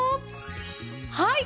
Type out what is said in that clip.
はい！